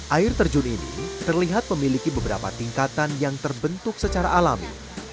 air terjun ini terlihat memiliki beberapa tingkatan yang terbentuk secara alami